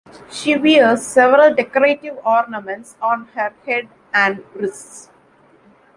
She wears several decorative ornaments on her head and wrists.